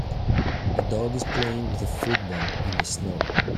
A dog is playing with a football in the snow.